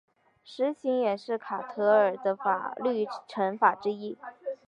石刑也是卡塔尔的法律惩罚之一。